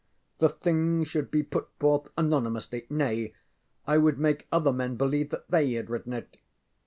ŌĆØ The thing should be put forth anonymously. Nay, I would make other men believe that they had written it.